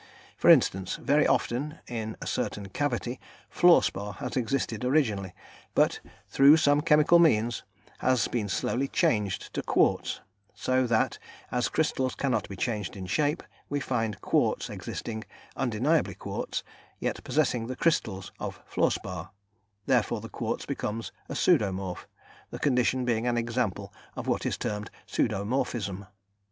For instance: very often, in a certain cavity, fluorspar has existed originally, but, through some chemical means, has been slowly changed to quartz, so that, as crystals cannot be changed in shape, we find quartz existing undeniably quartz yet possessing the crystals of fluorspar; therefore the quartz becomes a pseudomorph, the condition being an example of what is termed pseudomorphism.